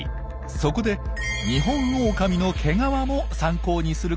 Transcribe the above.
そこでニホンオオカミの毛皮も参考にすることにしました。